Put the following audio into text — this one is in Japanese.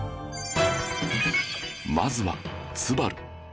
まずはツバル